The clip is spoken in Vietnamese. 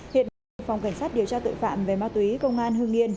hiện bị phòng cảnh sát điều tra tội phạm về ma túy công an hương yên